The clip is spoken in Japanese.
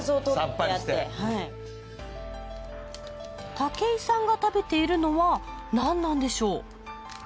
武井さんが食べているのはなんなんでしょう？